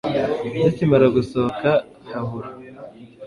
Zikimara gusohoka habura